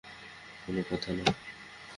কোনো কথা না।